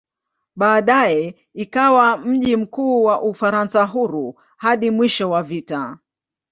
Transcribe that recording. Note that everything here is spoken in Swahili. Baadaye ikawa mji mkuu wa "Ufaransa Huru" hadi mwisho wa vita.